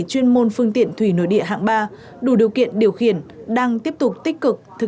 chuyên môn phương tiện thủy nội địa hạng ba đủ điều kiện điều khiển đang tiếp tục tích cực thực